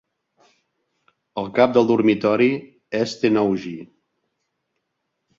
El cap del dormitori és Tennouji.